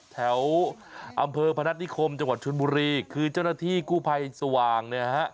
แถวอำเภอพนัฐนิคมจังหวัดชนบุรีคือเจ้าหน้าที่กู้ภัยสว่างเนี่ยฮะ